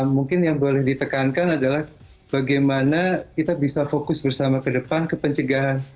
mungkin yang boleh ditekankan adalah bagaimana kita bisa fokus bersama ke depan ke pencegahan